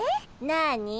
なに？